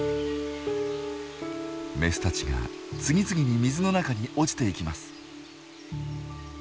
メスたちが次々に水の中に落ちていきます。